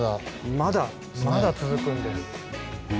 まだ続くんです。